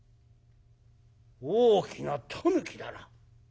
大きなタヌキだな。